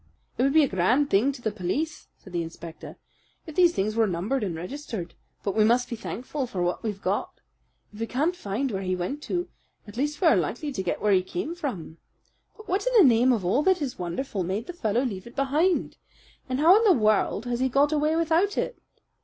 "It would be a grand help to the police," said the inspector, "if these things were numbered and registered. But we must be thankful for what we've got. If we can't find where he went to, at least we are likely to get where he came from. But what in the name of all that is wonderful made the fellow leave it behind? And how in the world has he got away without it?